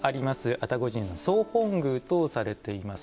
愛宕神社の総本宮とされています。